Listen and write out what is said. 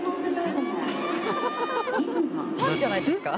「ファンじゃないですか」